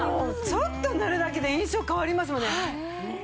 ちょっと塗るだけで印象変わりますもんね。